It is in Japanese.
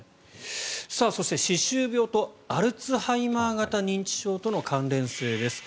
そして、歯周病とアルツハイマー型認知症との関連性です。